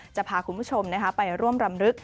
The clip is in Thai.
จะพาคุณผู้ชมไปร่วมรำลึก